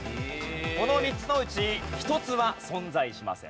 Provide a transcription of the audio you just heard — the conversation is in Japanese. この３つのうち１つは存在しません。